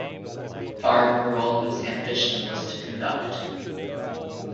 Barbirolli's ambition was to conduct.